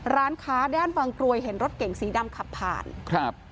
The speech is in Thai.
ร้านค้าด้านบางกรวยเห็นรถเก่งสีดำขับผ่านครับ